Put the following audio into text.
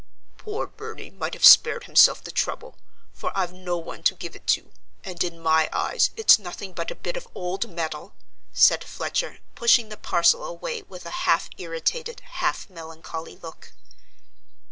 "Poor Burny might have spared himself the trouble, for I've no one to give it to, and in my eyes it's nothing but a bit of old metal," said Fletcher, pushing the parcel away with a half irritated, half melancholy look.